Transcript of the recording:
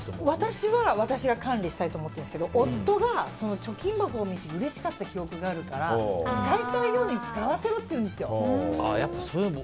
私は、私が管理したいと思ってるんですけど夫が貯金箱に入れてうれしかった記憶があるから使いたいように使わせろって言うんですよ。